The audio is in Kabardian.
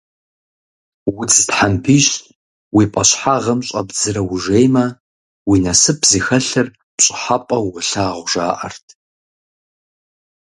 Удз тхьэмпищ уи пӀащхьэгъым щӀэбдзрэ ужеймэ, уи насып зыхэлъыр пщӀыхьэпӀэу уолъагъу, жаӀэрт.